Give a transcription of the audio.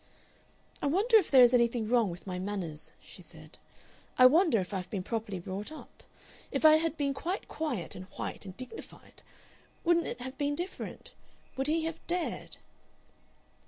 "I wonder if there is anything wrong with my manners," she said. "I wonder if I've been properly brought up. If I had been quite quiet and white and dignified, wouldn't it have been different? Would he have dared?..."